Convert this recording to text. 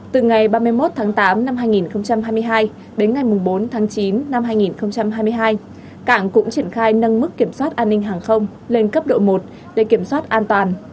từ ngày ba mươi một tháng tám năm hai nghìn hai mươi hai đến ngày bốn tháng chín năm hai nghìn hai mươi hai cảng cũng triển khai nâng mức kiểm soát an ninh hàng không lên cấp độ một để kiểm soát an toàn